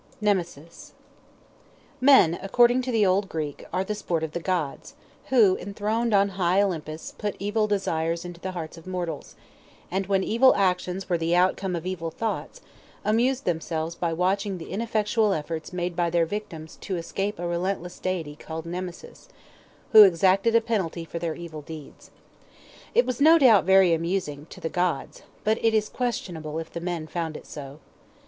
NEMESIS. Men, according to the old Greek, "are the sport of the gods," who, enthroned on high Olympus, put evil desires into the hearts of mortals; and when evil actions were the outcome of evil thoughts, amused themselves by watching the ineffectual efforts made by their victims to escape a relentless deity called Nemesis, who exacted a penalty for their evil deeds. It was no doubt very amusing to the gods but it is questionable if the men found it so.